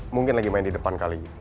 mungkin lagi main di depan kali